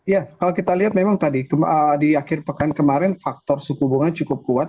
ya kalau kita lihat memang tadi di akhir pekan kemarin faktor suku bunga cukup kuat